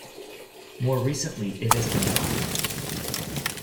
More recently it has been dropped.